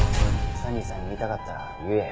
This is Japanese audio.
サニーさんに言いたかったら言えや。